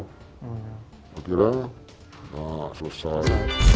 kira kira nah susah